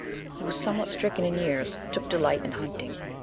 rho was somewhat stricken in years, took delight in hunting.